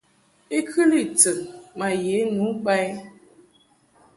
I kɨli tɨn ma ye nu ba i.